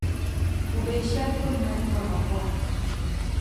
bubihi shɛba bɛn mali bomaboma.